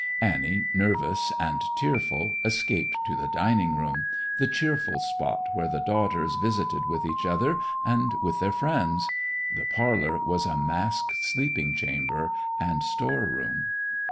Annie, nervous and tearful, escaped to the dining room the cheerful spot where the daughters visited with each other and with their friends. The parlor was a masked sleeping chamber and store room.